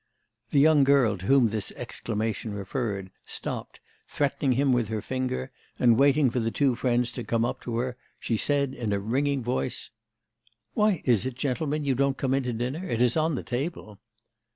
The young girl to whom this exclamation referred, stopped, threatening him with her finger, and, waiting for the two friends to come up to her, she said in a ringing voice: 'Why is it, gentlemen, you don't come in to dinner? It is on the table.